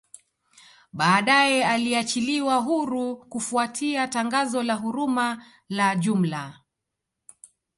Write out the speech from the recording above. Baadae aliachiliwa huru kufuatia tangazo la huruma la jumla